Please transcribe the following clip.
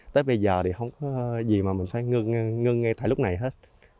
tới bây giờ thì không có gì mà mình phải ngưng ngay tại lúc này hết